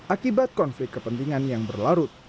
akibat konflik kepentingan yang berlarut